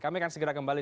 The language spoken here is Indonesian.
kami akan segera kembali